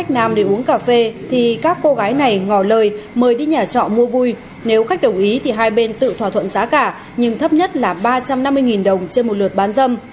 các cô gái này ngỏ lời mời đi nhà trọ mua vui nếu khách đồng ý thì hai bên tự thỏa thuận giá cả nhưng thấp nhất là ba trăm năm mươi đồng trên một lượt bán dâm